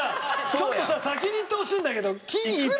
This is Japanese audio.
ちょっとさ先に言ってほしいんだけど。